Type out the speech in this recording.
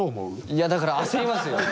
いやだから焦りますよ。